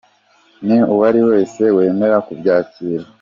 Ni uwari we wese wemera kubyakira.